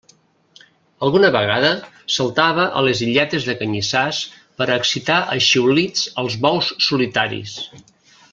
Alguna vegada saltava a les illetes de canyissars per a excitar a xiulits els bous solitaris.